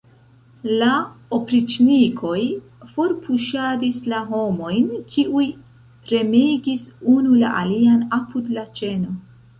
La opriĉnikoj forpuŝadis la homojn, kiuj premegis unu la alian apud la ĉeno.